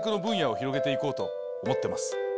広げて行こうと思ってます。